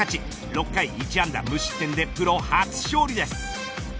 ６回１安打無失点でプロ初勝利です。